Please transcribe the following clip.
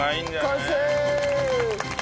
完成！